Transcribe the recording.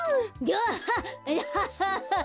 アハハハ！